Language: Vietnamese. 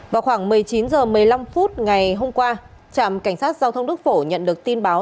vào khoảng một mươi chín h một mươi năm phút ngày hôm qua trạm cảnh sát giao thông đức phổ nhận được tin báo